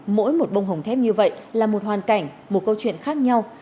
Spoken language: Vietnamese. mỗi một bông hồng thép như vậy là một hoàn cảnh một câu chuyện khác nhau